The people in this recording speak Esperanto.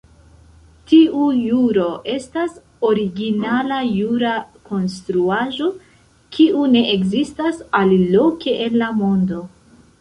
Tiu juro estas originala jura konstruaĵo, kiu ne ekzistas aliloke en la mondo.